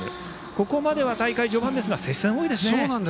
ここまでは大会序盤ですが接戦が多いですね。